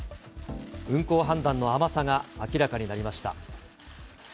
運航判断の甘さが明らかになりました。